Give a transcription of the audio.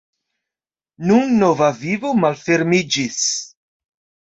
Nun nova vivo malfermiĝis.